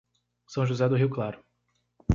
São José do Rio Claro